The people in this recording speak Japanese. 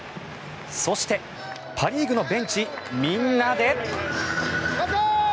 そしてパ・リーグのベンチみんなで。